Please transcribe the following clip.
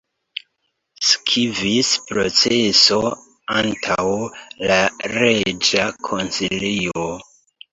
Sekvis proceso antaŭ la reĝa konsilio.